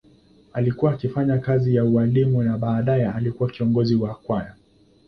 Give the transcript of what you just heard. Alikuwa akifanya kazi ya ualimu na baadaye alikuwa kiongozi wa kwaya.